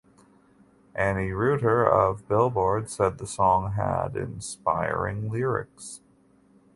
Annie Reuter of "Billboard" said the song had "inspiring lyrics".